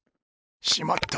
しまった！